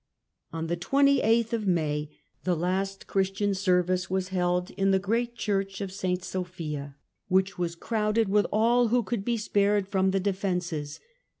On the 28th of May the last Christian service was held in the great Church of St. Sophia, which was crowded with all who could be spared from the defences.